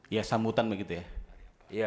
ya sambutan begitu ya